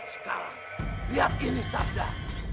sekarang lihat ini sabda